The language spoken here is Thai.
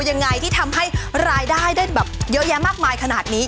ยังไงที่ทำให้รายได้ได้แบบเยอะแยะมากมายขนาดนี้